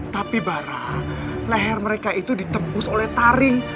tapi bara leher mereka itu ditembus oleh taring